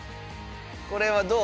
これはどう？